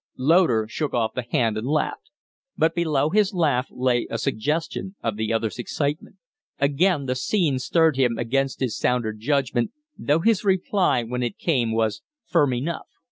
Loder shook off the hand and laughed, but below his laugh lay a suggestion of the other's excitement. Again the scene stirred him against his sounder judgment; though his reply, when it came, was firm enough.